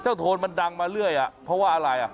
เจ้าโทนมันดังมาเรื่อยเพราะว่าอะไร